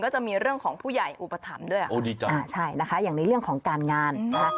ก็จะมีเรื่องของผู้ใหญ่อุปสรรคด้วยอ่อดีจักรค่ะใช่นะคะอย่างในเรื่องของการงานอ่ะ